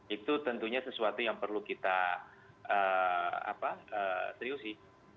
itu tentunya sesuatu yang perlu kita seriusi